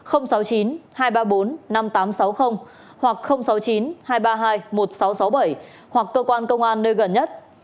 hoặc sáu mươi chín hai trăm ba mươi hai một nghìn sáu trăm sáu mươi bảy hoặc cơ quan công an nơi gần nhất